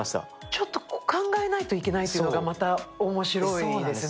ちょっと考えないといけないというのがまた面白いですね。